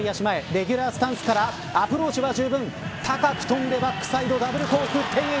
レギュラースタンスからアプローチはじゅうぶん高くとんでバックサイドダブルコーク１０８０